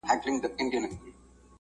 شمال ختيځ او بولدک ختيځ ته